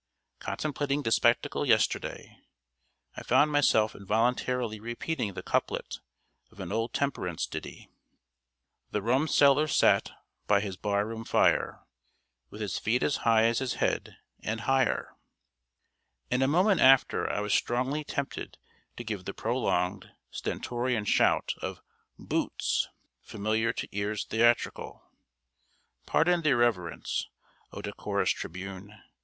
Contemplating the spectacle yesterday, I found myself involuntarily repeating the couplet of an old temperance ditty: "The rumseller sat by his bar room fire, With his feet as high as his head, and higher," and a moment after I was strongly tempted to give the prolonged, stentorian shout of "B O O T S!" familiar to ears theatrical. Pardon the irreverence, O decorous Tribune!